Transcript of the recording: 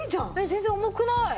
全然重くない。